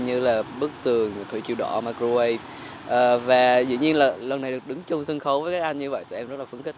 như là bức tường thủy chiều đỏ microway và dĩ nhiên là lần này được đứng chung sân khấu với các anh như vậy tụi em rất là phấn khích